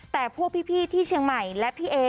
แต่พวกพี่ที่เชียงใหม่และพี่เอ